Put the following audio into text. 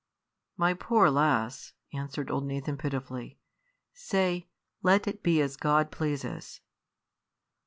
"My poor lass!" answered old Nathan, pitifully, "say, 'Let it be as God pleases.'"